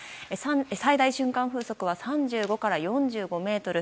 最大瞬間風速は３５から３４メートル。